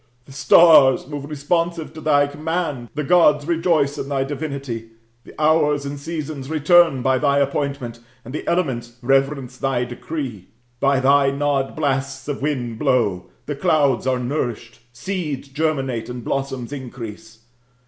The stars move responsive to thy command, the Gods rejoice in thy divinity, the hours and seasons return by thy appointment, and the elements reverence thy decree. By thy nod blasts of wind blow, the clouds are nourished, seeds germinate, and blossoms increase.